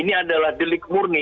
ini adalah delik murni